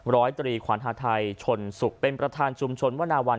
ร้อยตรีขวัญฮาไทยชนสุกเป็นประธานชุมชนวนาวัน